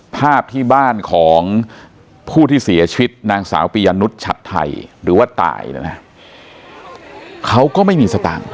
ภาพที่บ้านของผู้ที่เสียชีวิตนางสาวปียะนุษย์ชัดไทยหรือว่าตายนะนะเขาก็ไม่มีสตางค์